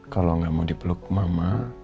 kalau nggak mau dipeluk mama